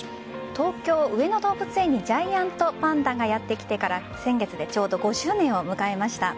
東京・上野動物園にジャイアントパンダがやってきてから先月でちょうど５周年を迎えました。